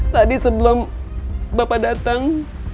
tadi sebelum bapak datang